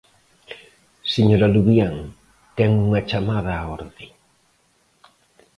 Señora Luvián, ten unha chamada a orde.